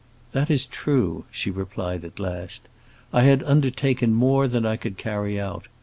"That is true," she replied at last. "I had undertaken more than I could carry out.